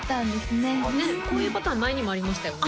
ねっこういうパターン前にもありましたよね